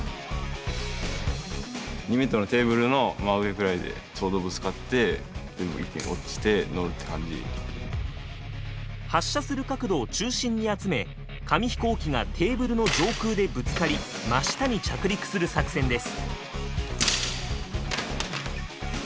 ２メートルの発射する角度を中心に集め紙飛行機がテーブルの上空でぶつかり真下に着陸する作戦です。